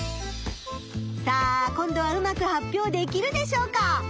さあ今度はうまく発表できるでしょうか。